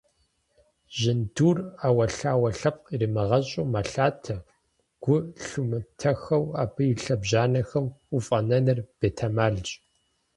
Жьындур, Iэуэлъауэ лъэпкъ иримыгъэщIу, мэлъатэ, гу лъумытэххэу абы и лъэбжьанэхэм уфIэнэныр бетэмалщ.